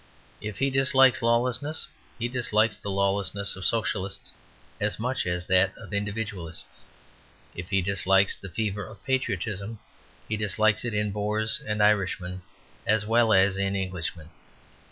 If he dislikes lawlessness, he dislikes the lawlessness of Socialists as much as that of Individualists. If he dislikes the fever of patriotism, he dislikes it in Boers and Irishmen as well as in Englishmen.